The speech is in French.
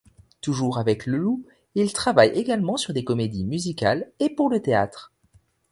Toujours avec Lelou, il travaille également sur des comédies musicales et pour le théâtre.